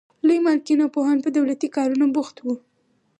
لوی مالکین او پوهان په دولتي کارونو بوخت وو.